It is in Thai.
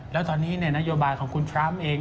แล้วตอนนี้นโยบายของคุณทรัมป์เอง